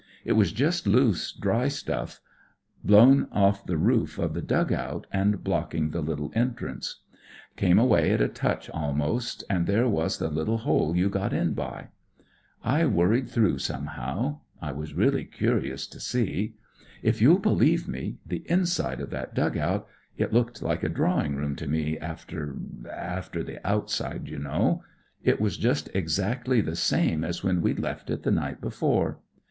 It was just loose, dry stuff blowii i the re* ? of the dug out, and blocking the Uttle entrance. Came away at a touch, almost, and there was the little hole you got in by. I worried #» 18 WHAT IT'S LIKE IN THE PUSH through, somehow. I was really curious to see. If you'll believe me, the inside of that dug out— it looked like a drawing room to me after— after the outside, you know— it was just exactly the same as when we'd left it the night before.